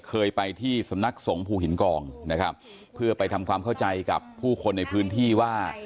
เคยไปที่สำนักสงภูหินกองนะครับเพื่อไปทำความเข้าใจกับผู้คนในพื้นที่ว่า